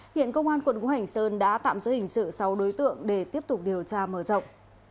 hiện công an quận hữu hành sơn đã tạm giữ hình sự sáu đối tượng để tiếp tục điều tra mở rộng